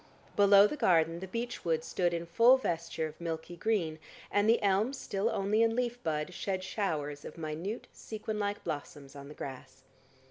Below the garden the beech wood stood in full vesture of milky green, and the elms still only in leaf bud, shed showers of minute sequin like blossoms on the grass.